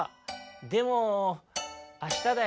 でもあしただよ」。